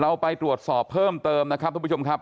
เราไปตรวจสอบเพิ่มเติมนะครับทุกผู้ชมครับ